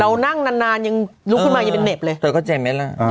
เรานั่งนานยังลุกขึ้นมายังเป็นเหน็บเลยเธอก็เจ็บไหมล่ะ